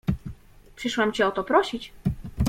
"Przyszłam cię o to prosić."